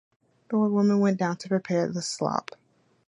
The old woman went down to prepare the slop.